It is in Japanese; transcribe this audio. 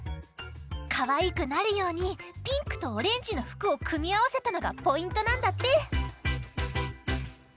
かわいくなるようにピンクとオレンジのふくをくみあわせたのがポイントなんだって。